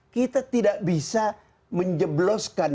kita tidak bisa menjebloskan